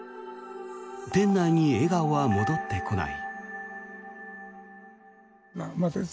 店内に笑顔は戻ってこない。